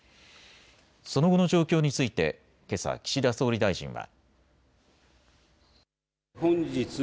その後の状況についてけさ岸田総理大臣は。